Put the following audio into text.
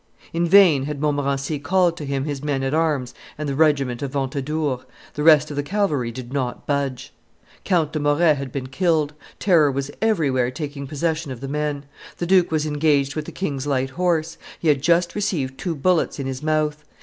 In vain had Montmorency called to him his men at arms and the regiment of Ventadour; the rest of the cavalry did not budge. Count de Moret had been killed; terror was everywhere taking possession of the men. The duke was engaged with the king's light horse; he had just received two bullets in his mouth.